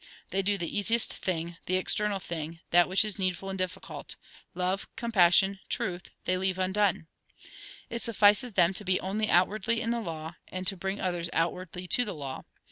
They do the easiest thing, the external thing; that which is needful and difficult, — love, compassion, truth, — they leave undone. It suffices them to be only outwardly in the law, and to bring others outwardly to the law.